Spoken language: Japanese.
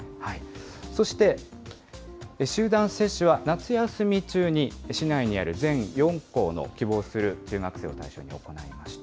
そして集団接種は夏休み中に市内にある全４校の希望する中学生を対象に行いました。